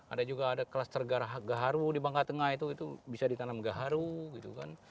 ada juga ada kluster gaharu di bangka tengah itu bisa ditanam gaharu gitu kan